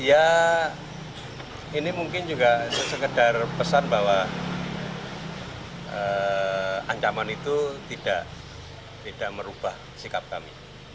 ya ini mungkin juga sekedar pesan bahwa ancaman itu tidak merubah sikap kami